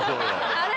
あれ？